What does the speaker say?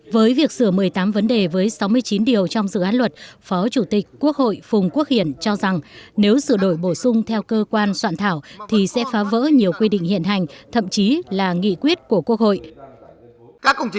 với việc sửa một mươi tám vấn đề với sáu mươi chín điều trong dự án luật phó chủ tịch quốc hội phùng quốc hiển cho rằng nếu sửa đổi bổ sung theo cơ quan soạn thảo thì sẽ phá vỡ nhiều quy định hiện hành thậm chí là nghị quyết của quốc hội